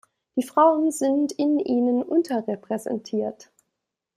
Die Frauen sind in ihnen unterrepräsentiert.